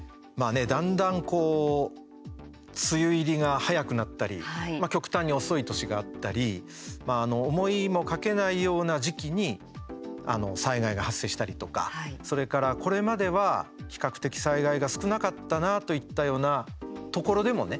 だんだんこう梅雨入りが早くなったり極端に遅い年があったり思いもかけないような時期に災害が発生したりとか、それからこれまでは比較的災害が少なかったなといったようなところでもね